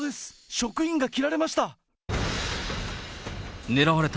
職員が切られました。